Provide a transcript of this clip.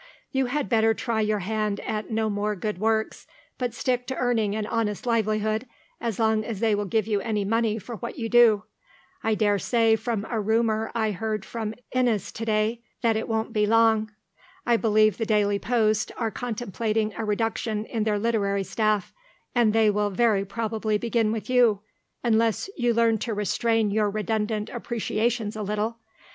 You had better try your hand at no more good works, but stick to earning an honest livelihood, as long as they will give you any money for what you do. I daresay from a rumour I heard from Innes to day, that it won't be long. I believe the Daily Post are contemplating a reduction in their literary staff, and they will very probably begin with you, unless you learn to restrain your redundant appreciations a little.